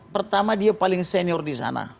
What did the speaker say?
pertama dia paling senior di sana